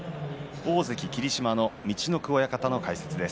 大関霧島の陸奥親方の解説です。